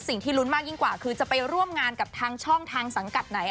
สิ่งที่ลุ้นมากยิ่งกว่าคือจะไปร่วมงานกับทางช่องทางสังกัดไหน